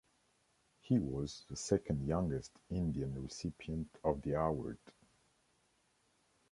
He was the second-youngest Indian recipient of the award.